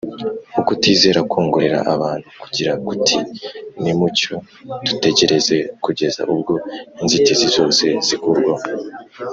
ukutizera kongorera abantu kugira kuti: “nimucyo dutegereze kugeza ubwo inzitizi zose zikurwaho,